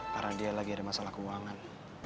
karena dia lagi ada masalah keuangan